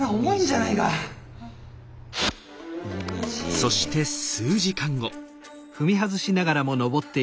そして数時間後。